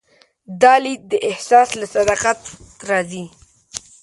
دا لید د احساس له صداقت راځي.